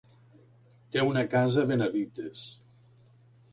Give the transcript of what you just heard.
Té una casa a Benavites.